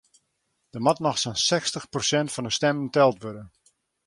Der moat noch sa'n sechstich prosint fan de stimmen teld wurde.